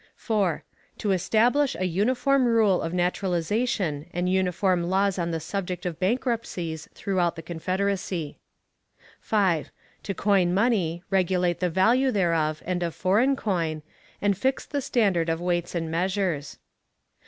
4. To establish a uniform rule of naturalization and uniform laws on the subject of bankruptcies throughout the Confederacy. 5. To coin money, regulate the value thereof and of foreign coin, and fix the standard of weights and measures.